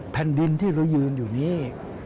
แผ่นดินที่เรายืนอยู่นี้